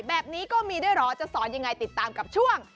แบบนี้ก็มีด้วยเหรอจะสอนยังไงติดตามกับช่วง